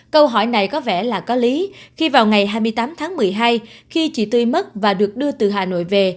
câu hỏi này có vẻ là có lý khi vào ngày hai mươi tám tháng một mươi hai khi chị tươi mất và được đưa từ hà nội về